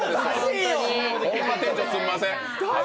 ホンマ店長、すんません。